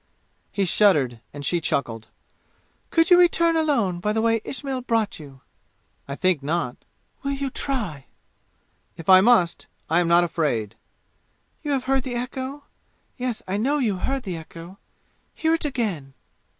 He shuddered and she chuckled. "Could you return alone by the way Ismail brought you?" "I think not." "Will you try?" "If I must. I am not afraid." "You have heard the echo? Yes, I know you heard the echo. Hear it again!"